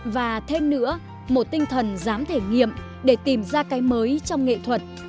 và thêm nữa một tinh thần dám thể nghiệm để tìm ra cái mới trong nghệ thuật